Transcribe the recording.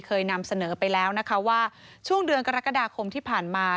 เคยนำเสนอไปแล้วนะคะว่าช่วงเดือนกรกฎาคมที่ผ่านมา